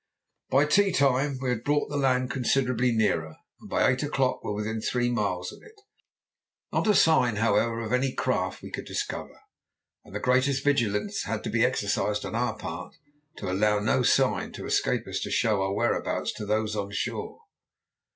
By tea time we had brought the land considerably nearer, and by eight o'clock were within three miles of it. Not a sign, however, of any craft could we discover, and the greatest vigilance had to be exercised on our part to allow no sign to escape us to show our whereabouts to those ashore.